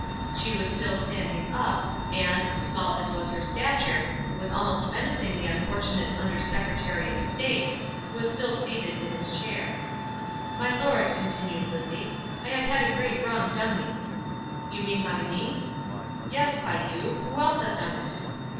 She was still standing up, and, small as was her stature, was almost menacing the unfortunate Under Secretary of State, who was still seated in his chair. "My lord," continued Lizzie, "I have had great wrong done me." "Do you mean by me?" "Yes, by you. Who else has done it?"